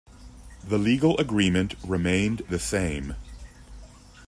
The legal agreement remained the same.